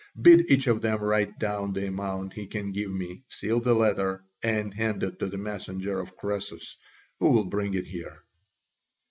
Bid each of them write down the amount he can give me, seal the letter, and hand it to the messenger of Croesus, who will bring it here."